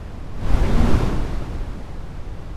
Ad iyi-nɣent.